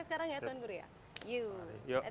sekarang ya tuan guru ya